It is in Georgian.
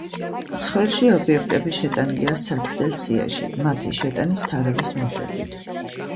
ცხრილში ობიექტები შეტანილია საცდელ სიაში მათი შეტანის თარიღის მიხედვით.